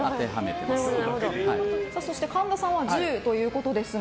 そして神田さんは１０ということですが。